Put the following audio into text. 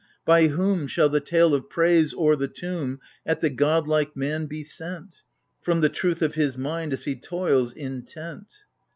By whom Shall the tale of praise o'er the tomb At the god like man be sent — From the truth of his mind as he toils intent